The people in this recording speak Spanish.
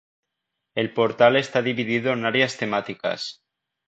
El portal está dividido en áreas temáticas.